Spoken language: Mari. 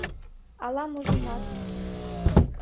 — Ала-можымат...